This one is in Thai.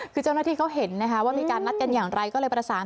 คือเจ้าหน้าที่เขาเห็นนะคะว่ามีการนัดกันอย่างไรก็เลยประสาน